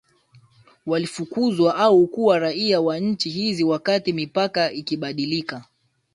Walifukuzwa au kuwa raia wa nchi hizi wakati mipaka ikibadilika